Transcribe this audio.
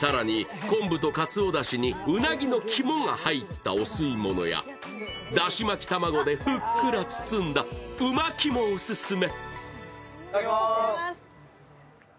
更に、昆布とかつおだしにうなぎの肝が入ったお吸い物や、だし巻き卵でふっくら包んだう巻きもオススメ。